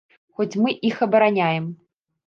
Хоць мы іх абараняем.